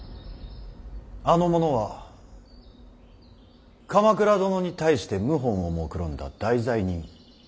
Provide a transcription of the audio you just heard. あの者は鎌倉殿に対して謀反をもくろんだ大罪人。